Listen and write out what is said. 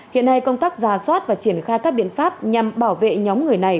hiện nay công tác ra soát và triển khai các biện pháp nhằm bảo vệ nhóm người này